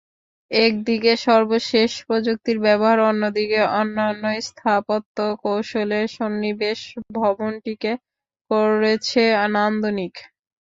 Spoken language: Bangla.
একদিকে সর্বশেষ প্রযুক্তির ব্যবহার, অন্যদিকে অনন্য স্থাপত্য কৌশলের সন্নিবেশ ভবনটিকে করেছে নান্দনিক।